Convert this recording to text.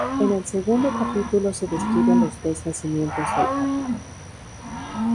En el segundo capítulo se describen los tres nacimientos del atman.